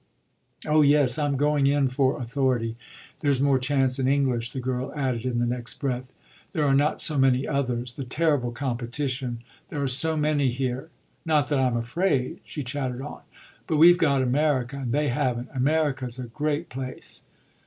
"Oh yes, I'm going in for authority. There's more chance in English," the girl added in the next breath. "There are not so many others the terrible competition. There are so many here not that I'm afraid," she chattered on. "But we've got America and they haven't. America's a great place."